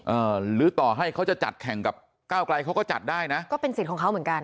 หรือต่อให้เขาจะจัดแข่งกับก้าวไกลเขาก็จัดได้นะก็เป็นสิทธิ์ของเขาเหมือนกัน